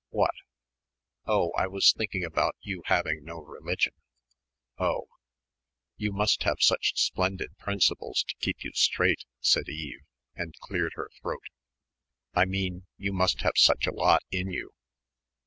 "What?" "Oh, I was thinking about you having no religion." "Oh." "You must have such splendid principles to keep you straight," said Eve, and cleared her throat, "I mean, you must have such a lot in you."